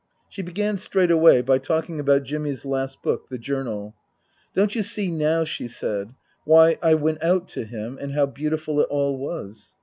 She began straight away by talking about Jimmy's last book, the " Journal." " Don't you see now," she said, " why I went out to him, and how beautiful it all was